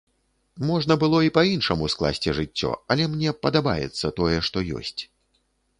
Можна было і па-іншаму скласці жыццё, але мне падабаецца тое, што ёсць.